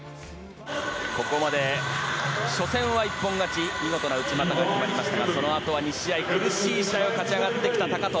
ここまで初戦は一本勝ち見事な内股が決まりましたがそのあとは２試合苦しい試合を勝ち上がってきた高藤。